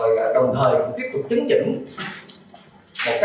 và trồng thời cũng tiếp tục chứng chỉnh một cách